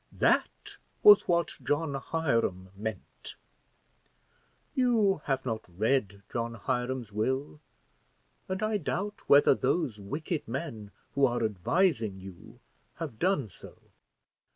That was what John Hiram meant: you have not read John Hiram's will, and I doubt whether those wicked men who are advising you have done so.